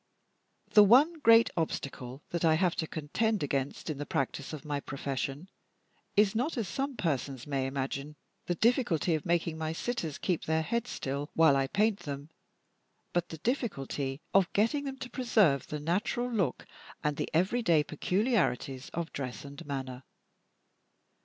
The one great obstacle that I have to contend against in the practice of my profession is not, as some persons may imagine, the difficulty of making my sitters keep their heads still while I paint them, but the difficulty of getting them to preserve the natural look and the every day peculiarities of dress and manner.